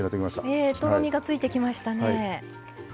ええとろみがついてきましたね。